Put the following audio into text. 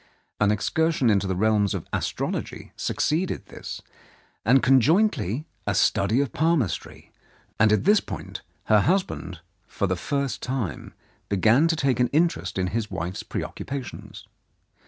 An excursion into the realms of astrology suc ceeded this, and conjointly a study of palmistry, and at this point her husband, for the first time, began to take an interest in his wife's preoccupations.